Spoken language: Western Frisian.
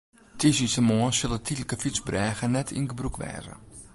Tiisdeitemoarn sil de tydlike fytsbrêge net yn gebrûk wêze.